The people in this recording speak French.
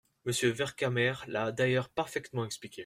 Monsieur Vercamer l’a d’ailleurs parfaitement expliqué.